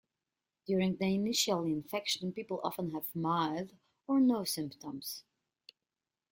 During the initial infection people often have mild or no symptoms.